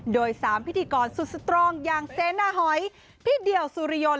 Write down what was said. โดย๓พิธีกรสุดสตรองอย่างเซนาหอยพี่เดี่ยวสุริยนต